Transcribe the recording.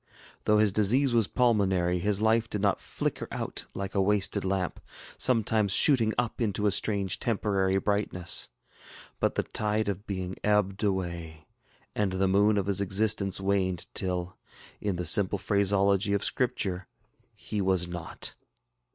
Though his disease was pulmonary, his life did not flicker out like a wasted lamp, sometimes shooting up into a strange temporary brightness; but the tide of being ebbed away, and the noon of his existence waned till, in the simple phraseology of Scripture, ŌĆ£he was not.